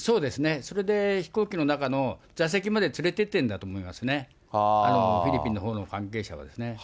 それで飛行機の中の座席まで連れていってるんだと思いますね、フィリピンのほうの関係者がですね。